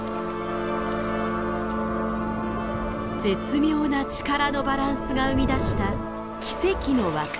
絶妙な力のバランスが生み出した奇跡の惑星